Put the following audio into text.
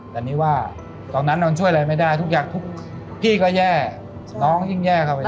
แต่นี่ว่าตอนนั้นนอนช่วยอะไรไม่ได้ทุกอย่างทุกพี่ก็แย่น้องยิ่งแย่เข้าไป